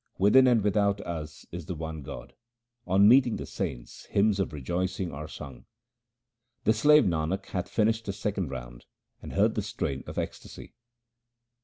Within and without us is the one God ; on meeting the saints, hymns of rejoicing are sung. The slave Nanak hath finished the second round and heard the strain of ecstasy.